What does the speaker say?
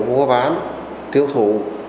vua bán tiêu thụ